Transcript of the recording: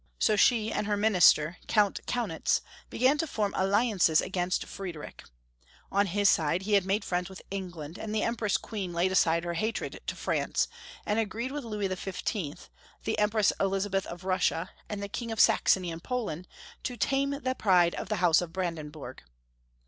So she and her minister. Count Kaunitz, began to form alliances against 404 Young Folks^ Hutory of Q ermany. Friedrich On his side he had made friends with England, and the Empress Queen laid aside her hatred to France, and agreed with Louis XV., the Empress Elizabeth of Russia, and the King of Saxony and Poland, to tame the pride of the House of Brandenburg.